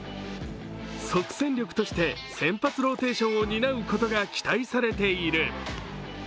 即戦力として先発ローテーションを担うことが期待されている。